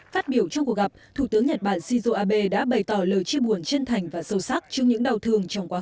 phát biểu trong cuộc gặp thủ tướng nhật bản shinzo abe đã bày tỏ lời chia buồn chân thành và sâu sắc trước những đau thương trong quá trình